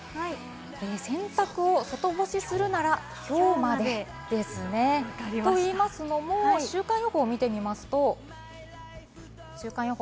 洗濯を外干しするなら今日までですね。と言いますのも、週間予報を見てみますと。